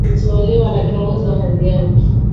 kutolewa na kiongozi wa hadhi yaki